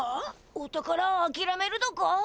お宝あきらめるだか？